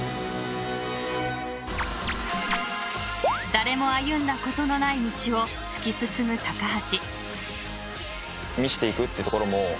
［誰も歩んだことのない道を突き進む橋］